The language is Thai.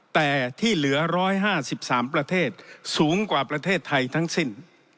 แต่ที่เหลือ๑๕๓ประเทศสูงกว่าประเทศไทยทั้งสิ้น